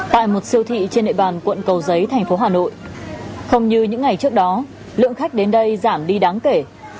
tại một siêu thị trên địa bàn quận cầu giấy thành phố hà nội không như những ngày trước đó lượng khách đến đây giảm đi đáng kể